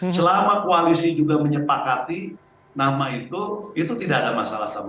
selama koalisi juga menyepakati nama itu itu tidak ada masalah sama